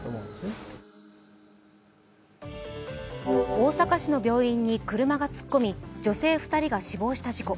大阪市の病院に車が突っ込み、女性２人が死亡した事故。